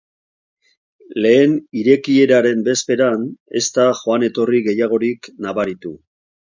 Lehen irekieraren bezperan, ez da joan-etorri gehiagorik nabaritu.